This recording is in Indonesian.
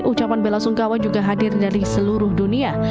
ucapan bela sungkawa juga hadir dari seluruh dunia